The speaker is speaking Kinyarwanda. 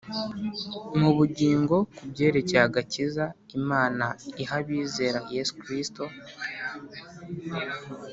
mu bugingo kubyerekeye agakiza Imana iha abizera Yesu Kristo.